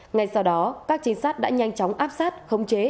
ngay sau đó các chính sát đã nhanh chóng áp sát không chế